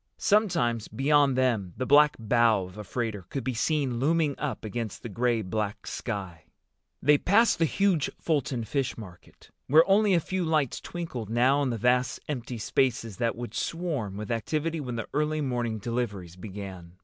Sometimes, beyond them, the black bow of a freighter could be seen looming up against the gray black sky. They passed the huge Fulton Fish Market, where only a few lights twinkled now in the vast empty spaces that would swarm with activity when the early morning deliveries began.